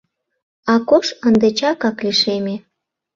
Акош ынде чакак лишеме.